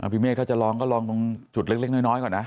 พี่เมฆถ้าจะลองก็ลองตรงจุดเล็กน้อยก่อนนะ